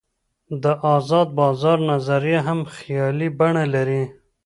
د آزاد بازار نظریه هم خیالي بڼه لري.